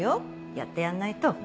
やってやんないと。